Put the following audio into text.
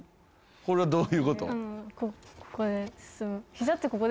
これはどういうこと？